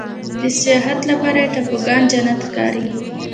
د سیاحت لپاره یې ټاپوګان جنت ښکاري.